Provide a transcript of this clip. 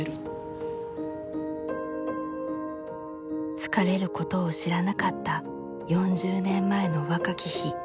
疲れることを知らなかった４０年前の若き日。